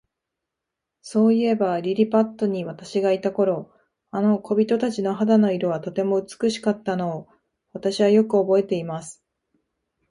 そういえば、リリパットに私がいた頃、あの小人たちの肌の色は、とても美しかったのを、私はよくおぼえています。